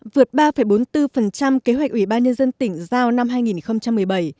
vượt ba bốn mươi bốn kế hoạch ủy ban nhân dân tỉnh giao năm hai nghìn một mươi bảy